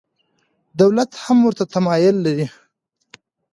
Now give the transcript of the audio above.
دولت هم ورته تمایل لري.